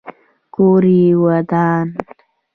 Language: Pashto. کور یې ودان.